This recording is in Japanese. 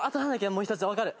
もう一つわかる。